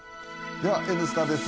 では「Ｎスタ」です。